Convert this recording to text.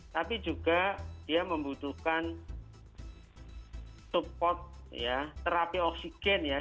tapi juga dia membutuhkan support ya terapi oksigen ya